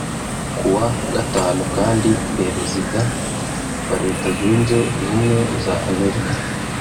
Ku wa gatanu kandi Perezida wa Leta Zunze Ubumwe za Amerika